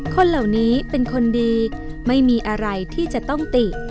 คนเหล่านี้เป็นคนดีไม่มีอะไรที่จะต้องติ